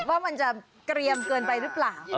ว่ามันจะเกรียมเกินไปหรือเปล่า